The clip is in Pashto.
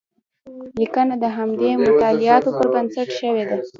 لیکنه د همدې مطالعاتو پر بنسټ شوې ده.